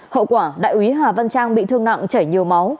hậu quả đại úy hà văn trang bị thương nặng chảy nhiều máu